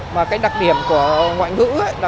và cái đặc điểm của ngoại ngữ